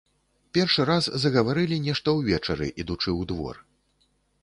Першы раз загаварылі нешта ўвечары, ідучы ў двор.